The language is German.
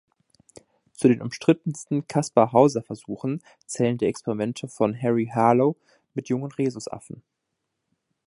Zu den umstrittensten Kaspar-Hauser-Versuchen zählen die Experimente von Harry Harlow mit jungen Rhesusaffen.